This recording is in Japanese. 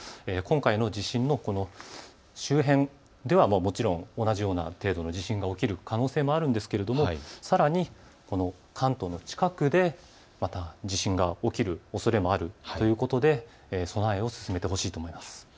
今回の地震もこの周辺ではもちろん同じような程度の地震が起きる可能性もあるんですがさらに、関東の近くでまた起きるおそれがあるということで備えを進めてほしいと思います。